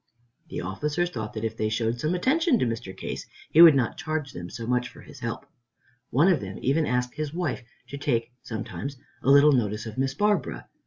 The officers thought that if they showed some attention to Mr. Case, he would not charge them so much for his help. One of them even asked his wife to take, sometimes, a little notice of Miss Barbara.